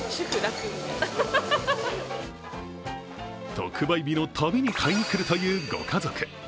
特売日のたびに買いに来るというご家族。